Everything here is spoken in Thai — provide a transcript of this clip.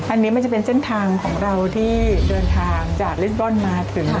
อันนี้มันจะเป็นเส้นทางของเราที่เดินทางจากลิสบอลมาถึง